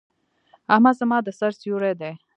احمد زما د سر سيور دی.